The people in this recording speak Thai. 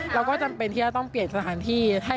เราก็จำเป็นที่จะต้องเปลี่ยนสถานที่